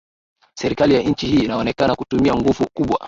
serikali ya nchi hii inaonekana kutumia nguvu kubwa